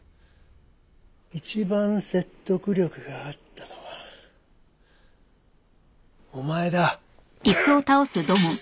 一番説得力があったのはお前だ！